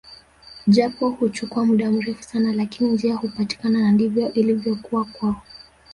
Japo huchukua muda mrefu sana lakini njia hupatikana na ndivyo ilivyokuwa kwao